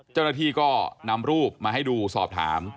เจ้าหน้าที่ก็นำรูปมาให้ดูสอบถาม